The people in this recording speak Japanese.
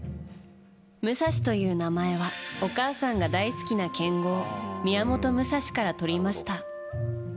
武蔵という名前はお母さんが大好きな剣豪宮本武蔵からとりました。